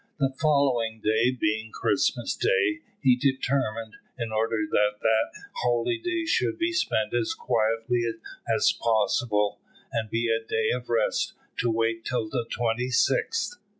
The following day being Christmas day, he determined, in order that that holy day should be spent as quietly as possible, and be a day of rest, to wait till the 26th.